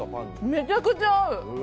めちゃくちゃ合う。